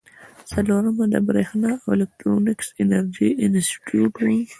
څلورمه د بریښنا او الکترونیکس انجینری انسټیټیوټ و.